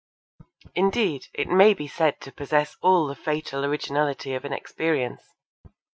Indeed, it may be said to possess all the fatal originality of inexperience.